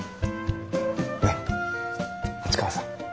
ねっ市川さん。